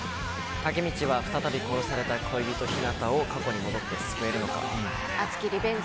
タケミチは再び殺された恋人ヒナタを過去に戻って救えるのか。